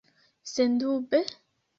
Sendube?